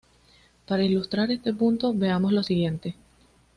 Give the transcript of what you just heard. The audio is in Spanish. Para ilustrar este punto, veamos lo siguiente.